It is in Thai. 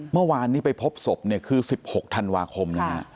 เมื่อวานนี้ไปพบสมศพคือ๑๖ธาวนาคม